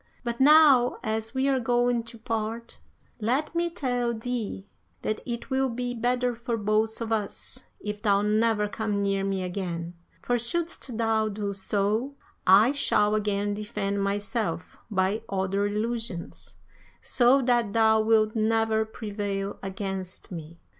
But now as we are going to part, let me tell thee that it will be better for both of us if thou never come near me again, for shouldst thou do so, I shall again defend myself by other illusions, so that thou wilt never prevail against me.'